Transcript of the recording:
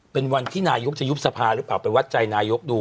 เป็นวันที่นายกจะยุบสภาหรือเปล่าไปวัดใจนายกดู